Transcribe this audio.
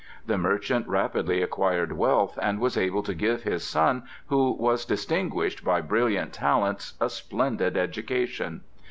The merchant rapidly acquired wealth, and was able to give his son, who was distinguished by brilliant talents, a splendid education.